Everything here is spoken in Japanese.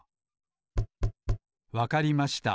わかりました。